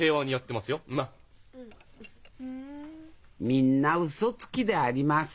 みんなウソつきであります